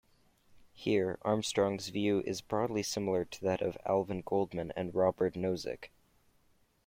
Here, Armstrong's view is broadly similar to that of Alvin Goldman and Robert Nozick.